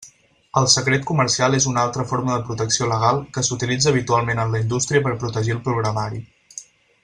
El secret comercial és una altra forma de protecció legal que s'utilitza habitualment en la indústria per protegir el programari.